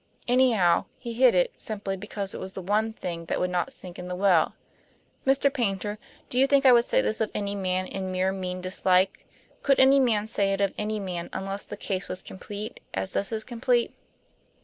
Anyhow, he hid it, simply because it was the one thing that would not sink in the well. Mr. Paynter, do you think I would say this of any man in mere mean dislike? Could any man say it of any man unless the case was complete, as this is complete?"